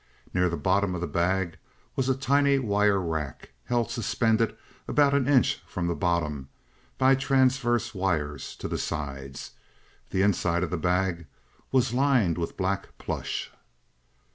Near the bottom of the bag was a tiny wire rack, held suspended about an inch from the bottom by transverse wires to the sides. The inside of the bag was lined with black plush.